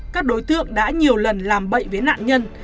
các đối tượng đã nhiều lần làm bậy với nạn nhân